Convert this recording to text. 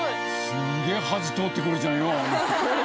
すげえ端通ってくるじゃんよ。